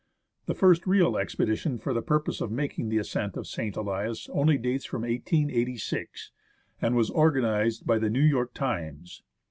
The first real expedition for the purpose of making the ascent of St. Elias only dates from 1886, and was organized by The New York Times.